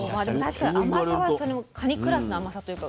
確かに甘さはそのカニクラスの甘さというか。